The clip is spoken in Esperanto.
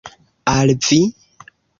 Al vi?